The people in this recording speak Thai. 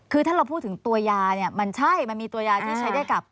คือถ้าเราพูดถึงตัวยาเนี่ยมันใช่มันมีตัวยาที่ใช้ได้กับ